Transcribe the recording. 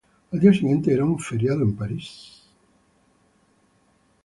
Al día siguiente era un feriado en París.